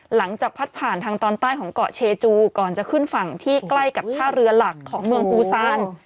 หลังจากพัดผ่านทางตอนใต้ของเกาะเชจูก่อนจะขึ้นฝั่งที่ใกล้กับท่าเรือหลักของเมืองปูซาน